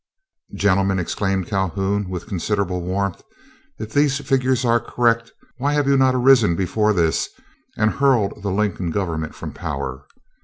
"Gentlemen," exclaimed Calhoun, with considerable warmth, "if these figures are correct, why have you not arisen before this, and hurled the Lincoln government from power?